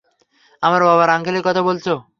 আমার বাবার আংকেলের কথা বলছ?